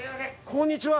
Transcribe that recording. こんにちは。